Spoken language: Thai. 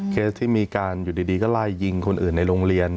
เคสที่มีการอยู่ดีก็ไล่ยิงคนอื่นในโรงเรียน